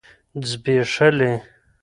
ځبيښلي